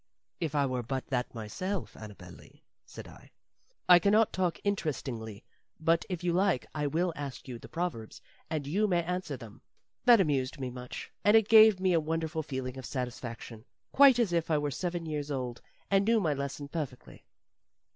"If I were but that myself, Annabel Lee," said I. "I can not talk interestingly, but if you like I will ask you the proverbs and you may answer them. That amused me much and it gave me a wonderful feeling of satisfaction, quite as if I were seven years old and knew my lesson perfectly."